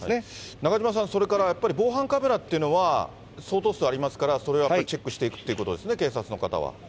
中島さん、それからやっぱり防犯カメラというのは相当数ありますから、それはチェックしていくということですね、